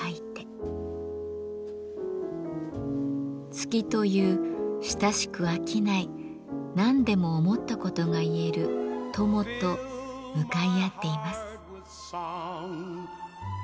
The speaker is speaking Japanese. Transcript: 「月という親しく飽きない何でも思ったことが言える友と向かい合っています」。